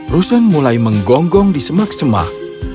rusen mulai menggonggong di semak semak